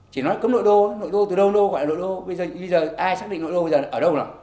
chỉ nói cấm nội đô nội đô từ đâu nội đô gọi là nội đô bây giờ ai xác định nội đô bây giờ ở đâu nào